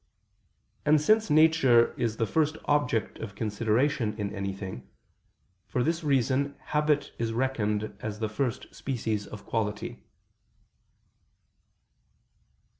And since nature is the first object of consideration in anything, for this reason habit is reckoned as the first species of quality.